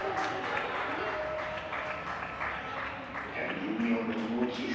いや人形の動き。